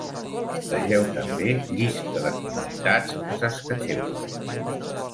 Vegeu també llista de comunitats a Saskatchewan.